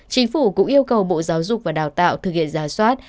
chính phủ cũng yêu cầu bộ giáo dục và đào tạo thực hiện giả soát